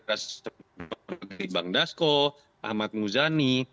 pak gribang dasko ahmad muzani